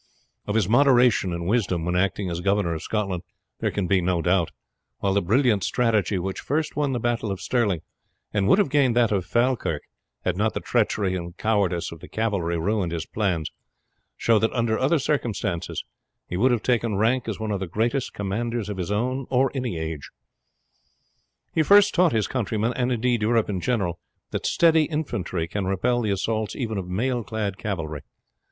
Of his moderation and wisdom when acting as governor of Scotland there can be no doubt, while the brilliant strategy which first won the battle of Stirling, and would have gained that of Falkirk had not the treachery and cowardice of the cavalry ruined his plans, show that under other circumstances he would have taken rank as one of the greatest commanders of his own or any age. He first taught his countrymen, and indeed Europe in general, that steady infantry can repel the assaults even of mailclad cavalry.